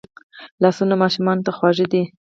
لاسونه ماشومانو ته خواږه دي